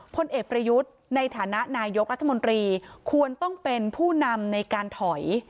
พลเอกประยุทธ์ในฐานะนายกรัฐมนตรีควรต้องเป็นผู้นำในการถอย